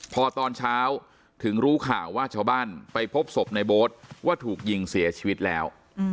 พอตอนเช้าถึงรู้ข่าวว่าชาวบ้านไปพบศพในโบ๊ทว่าถูกยิงเสียชีวิตแล้ว